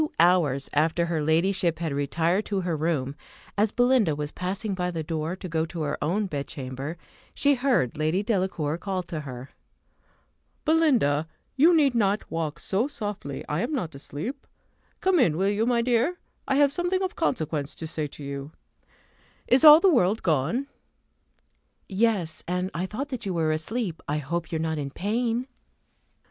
Two hours after her ladyship had retired to her room, as Belinda was passing by the door to go to her own bedchamber, she heard Lady Delacour call to her. "Belinda, you need not walk so softly; I am not asleep. Come in, will you, my dear? I have something of consequence to say to you. Is all the world gone?" "Yes; and I thought that you were asleep. I hope you are not in pain."